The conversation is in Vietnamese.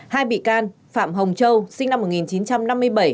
hai bị can phạm hồng châu sinh năm một nghìn chín trăm năm mươi bảy